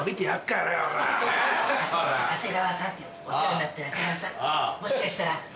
長谷川さんっていうのお世話になってる長谷川さん。